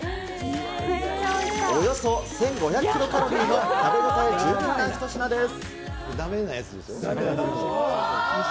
およそ１５００キロカロリーの食べ応え十分な一品です。